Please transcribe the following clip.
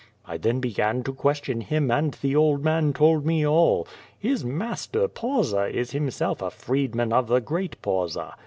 I then began to question him and the old man told me all. His master Pausa is himself a freedman of the great Pausa.